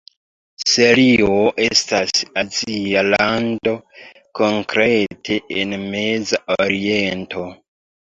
Sirio estas azia lando, konkrete en Meza Oriento.